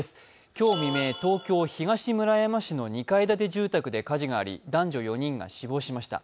今日未明、東京の東村山市の２階建て住宅で火事があり男女４人が死亡しました。